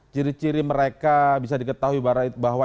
ciri ciri mereka bisa diketahui bahwa